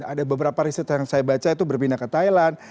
ada beberapa riset yang saya baca itu berpindah ke thailand